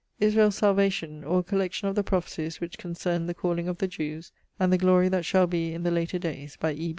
'Israel's Salvation, or a collection of the prophecies which concern the calling of the Jewes and the glory that shall be in the later dayes,' by E.